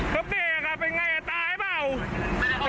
เขาเบกอ่ะเป็นไงอ่ะตายเปล่า